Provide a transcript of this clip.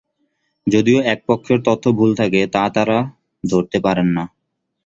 যদিও এক পক্ষের তথ্য ভুল থাকে; তা তারা ধরতে পারেন না।